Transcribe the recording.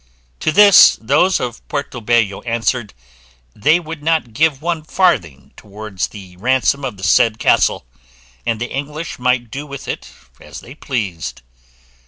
To this those of Puerto Bello answered, they would not give one farthing towards the ransom of the said castle, and the English might do with it as they pleased.